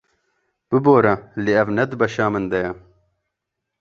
Bibore lê ev ne di beşa min de ye?